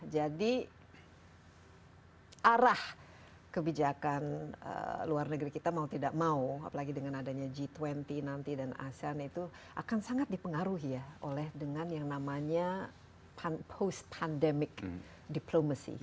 jadi arah kebijakan luar negeri kita mau tidak mau apalagi dengan adanya g dua puluh nanti dan asean itu akan sangat dipengaruhi ya oleh dengan yang namanya post pandemic diplomacy